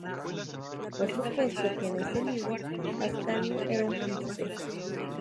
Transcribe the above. Por supuesto, que en ese libro, Ascanio era un príncipe".